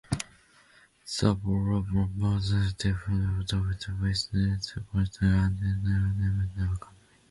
The borough borders Deptford Township, West Deptford Township, and Camden County.